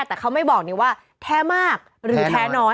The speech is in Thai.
แต่เขาไม่บอกนี่ว่าแท้มากหรือแท้น้อย